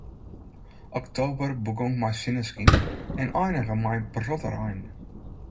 Oktober begûn mei sinneskyn en einige mei in protte rein.